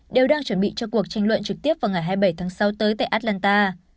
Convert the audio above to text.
đều đang chuẩn bị cho cuộc tranh luận trực tiếp vào ngày hai mươi bảy tháng sáu tới tại atlanta